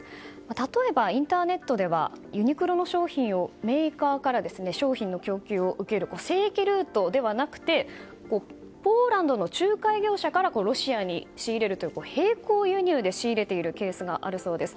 例えばインターネットではユニクロの商品をメーカーから商品の供給を受ける正規ルートではなくてポーランドの仲介業者からロシアに仕入れるという並行輸入で仕入れているケースがあるそうです。